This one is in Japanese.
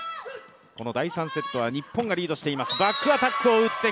この第３セットは日本がリードしています。